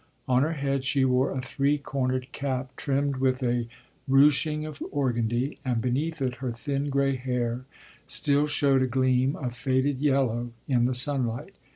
On her head she wore a three cornered cap trimmed with a ruching of organdie, and beneath it her thin gray hair still showed a gleam of faded yellow in the sunlight.